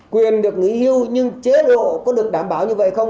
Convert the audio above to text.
quyền được nghỉ hưu nhưng chế độ có được đảm bảo như vậy không